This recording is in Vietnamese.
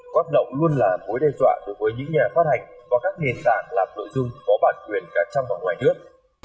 hoạt động luôn là mối đe dọa đối với những nhà phát hành và các nền tảng làm nội dung có bản quyền cả trong và ngoài nước